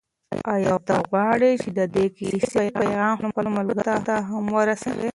آیا ته غواړې چې د دې کیسې پیغام خپلو ملګرو ته هم ورسوې؟